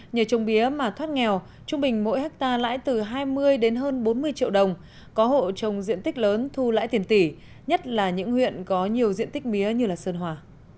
nhờ trồng mía mà thoát nghèo trung bình mỗi hectare lãi từ hai mươi đến hơn bốn mươi triệu đồng có hộ trồng diện tích lớn thu lãi tiền tỷ nhất là những huyện có nhiều diện tích mía như sơn hòa